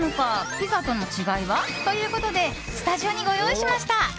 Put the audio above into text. ピザとの違いは？ということでスタジオにご用意しました！